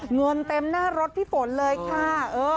เงินเต็มหน้ารถพี่ฝนเลยค่ะ